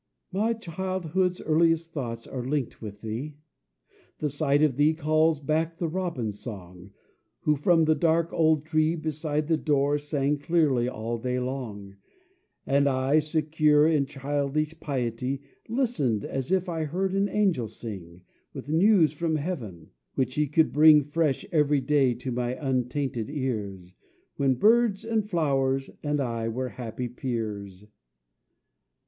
My childhood's earliest thoughts are linked with thee; The sight of thee calls back the robin's song, Who, from the dark old tree Beside the door, sang clearly all day long, And I, secure in childish piety, Listened as if I heard an angel sing With news from heaven, which he could bring Fresh every day to my untainted ears, When birds and flowers and I were happy peers.